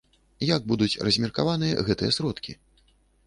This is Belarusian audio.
Як будуць размеркаваныя гэтыя сродкі?